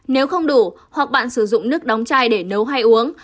nếu không đủ hoặc bạn sử dụng nước đóng chai để nấu hay uống